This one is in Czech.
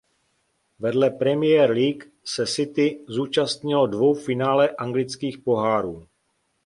Vedle Premier League se City zúčastnilo dvou finále anglických pohárů.